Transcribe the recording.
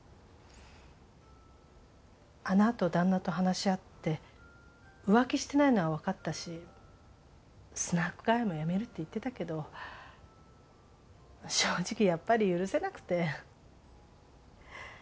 あのあと旦那と話し合って浮気してないのは分かったしスナック通いもやめるって言ってたけど正直やっぱり許せなくて。